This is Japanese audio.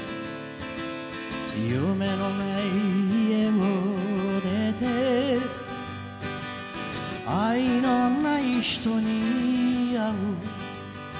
「夢のない家を出て愛のない人にあう」